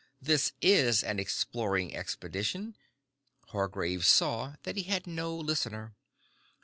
This is an exploring expedition " Hargraves saw that he had no listener.